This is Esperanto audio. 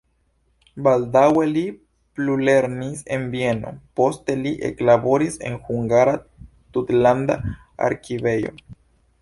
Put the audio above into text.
Baldaŭe li plulernis en Vieno, poste li eklaboris en "Hungara Tutlanda Arkivejo".